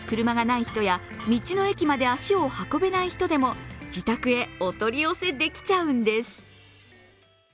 ない人や道の駅まで足を運べない人でも自宅へお取り寄せできちゃうんです。